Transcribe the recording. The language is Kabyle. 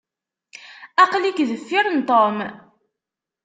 Aql-ik deffir n Tom.